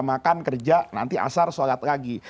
makan kerja nanti asar sholat lagi